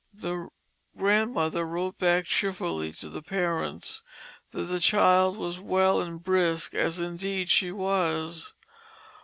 The grandmother wrote back cheerfully to the parents that the child was well and brisk, as indeed she was.